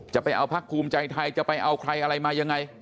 จะเอาพักภูมิใจไทยจะไปเอาใครอะไรมายังไง